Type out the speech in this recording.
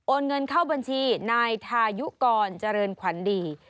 เงินเข้าบัญชีนายทายุกรเจริญขวัญดี